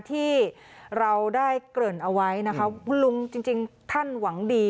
ที่เราได้เกริ่นเอาไว้นะคะคุณลุงจริงท่านหวังดี